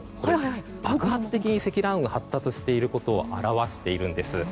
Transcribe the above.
爆発的に積乱雲が発達していることを表しているんです。